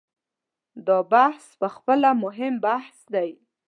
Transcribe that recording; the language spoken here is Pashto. دا بحث په خپله مهم بحث دی.